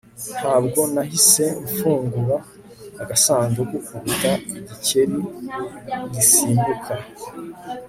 ntabwo nahise mfungura agasanduku kuruta igikeri gisimbuka